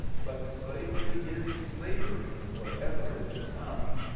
But slavery is slavery, wherever it is found.